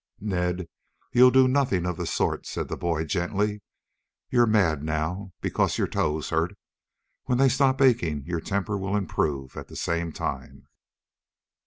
"Ned, you'll do nothing of the sort," said the boy gently. "You're mad, now, because your toes hurt. When they stop aching your temper will improve at the same time."